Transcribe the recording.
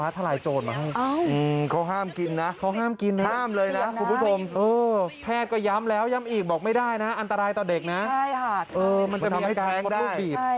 ไม่ใช่ขนเธอนะจะบอกค่ะนะครับ